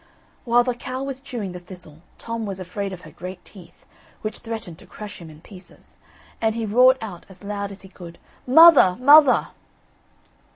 While the cow was chewing the thistle Tom was afraid of her great teeth, which threatened to crush him in pieces, and he roared out as loud as he could: "Mother, mother!"